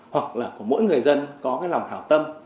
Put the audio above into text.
hoặc là của mỗi người dân có cái lòng hào tâm